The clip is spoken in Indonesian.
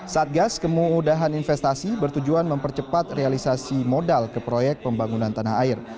satgas kemudahan investasi bertujuan mempercepat realisasi modal ke proyek pembangunan tanah air